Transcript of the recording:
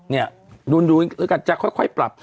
งานโดยกันจะค่อยปรับ